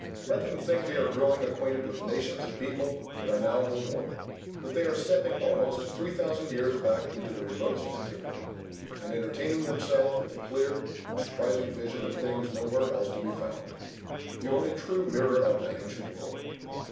Let them think they are growing acquainted with nations and people that are now no more; that they are stepping almost three thousand years back into the remotest antiquity, and entertaining themselves with a clear and surprising vision of things nowhere else to be found, the only true mirror of that ancient world.